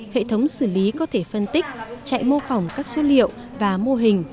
hệ thống xử lý có thể phân tích chạy mô phỏng các số liệu và mô hình